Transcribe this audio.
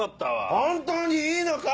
本当にいいのか？